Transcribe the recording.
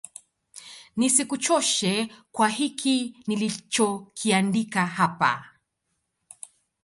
nisikuchoshe kwa hiki nilichokiandika hapa